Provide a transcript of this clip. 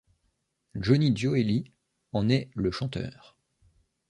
Johnny Gioeli en est le chanteur.